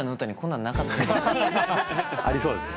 ありそうですね。